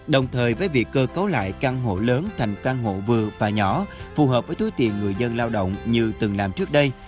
đồng thời với việc cơ cấu lại căn hộ lớn thành căn hộ vừa và nhỏ phù hợp với túi tiền người dân lao động như từng làm trước đây